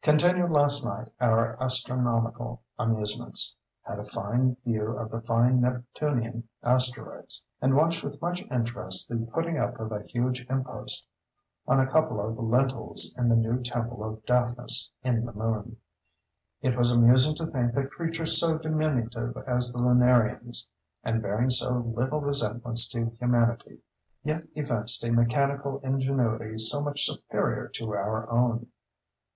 —Continued last night our astronomical amusements. Had a fine view of the five Neptunian asteroids, and watched with much interest the putting up of a huge impost on a couple of lintels in the new temple at Daphnis in the moon. It was amusing to think that creatures so diminutive as the lunarians, and bearing so little resemblance to humanity, yet evinced a mechanical ingenuity so much superior to our own.